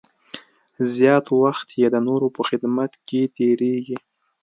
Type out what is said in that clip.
زیات وخت یې د نورو په خدمت کې تېرېږي.